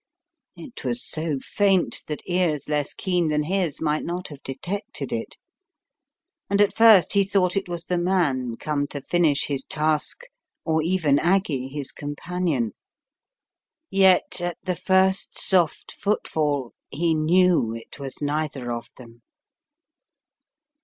It was so faint that ears less keen than his might not have detected it. And at first he thought it was the man come to finish his task or even Aggie, his companion. Yet at the first soft footfall he knew it was neither of them.